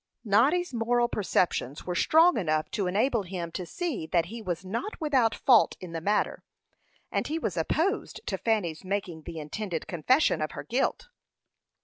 Noddy's moral perceptions were strong enough to enable him to see that he was not without fault in the matter; and he was opposed to Fanny's making the intended confession of her guilt.